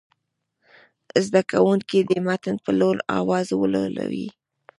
زده کوونکي دې متن په لوړ اواز ولولي.